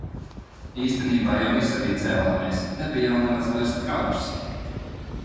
Īstenībā jau visi arī cēlāmies, nebija jau nemaz vairs tik agrs.